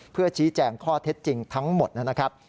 เพื่อชี้แจงข้อเท็จจริงทั้งหมดนะครับ